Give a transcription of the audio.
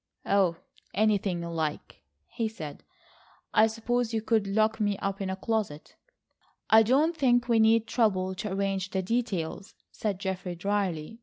"Oh, anything you like," he said. "I suppose you could lock me up in a closet." "I don't think we need trouble to arrange the details," said Geoffrey drily.